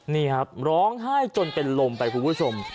นี่ครับร้องไห้จนเป็นลมไปคุณผู้ชม